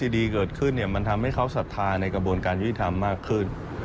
ดีเกิดขึ้นมันทำให้เขาศรัทธาในกระบวนการยุทธิธรรมมากขึ้น